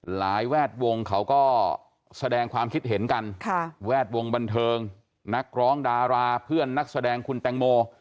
แวดวงเขาก็แสดงความคิดเห็นกันแวดวงบันเทิงนักร้องดาราเพื่อนนักแสดงคุณแตงโม